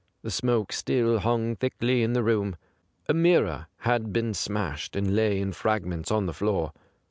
The smoke still hung thickly in the room. A mirror had been smashed, and lay in fragments on the floor.